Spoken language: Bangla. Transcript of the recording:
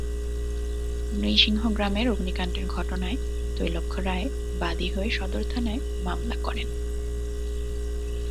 নৃসিংহ গ্রামের অগ্নিকাণ্ডের ঘটনায় তৈলক্ষ্য রায় বাদী হয়ে সদর থানায় মামলা করেন।